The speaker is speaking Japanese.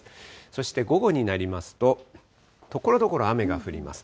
そして午後になりますと、ところどころ雨が降ります。